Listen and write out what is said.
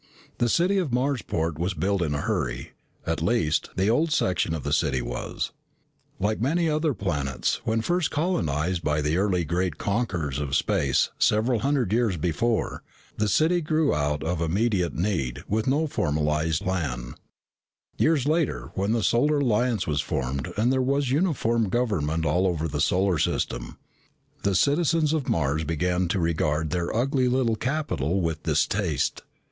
The city of Marsport was built in a hurry at least, the old section of the city was. Like many other planets, when first colonized by the early great conquerors of space several hundred years before, the city grew out of immediate need, with no formalized plan. Years later, when the Solar Alliance was formed and there was uniform government all over the solar system, the citizens of Mars began to regard their ugly little capital with distaste.